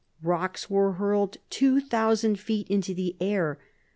Rocks were hurled two thousand feet into the air.